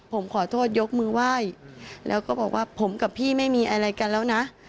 ผมขอโทษยกมือไหว้แล้วก็บอกว่าผมกับพี่ไม่มีอะไรกันแล้วนะ